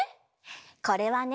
これはね